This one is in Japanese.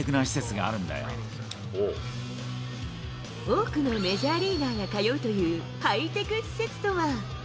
多くのメジャーリーガーが通うというハイテク施設とは？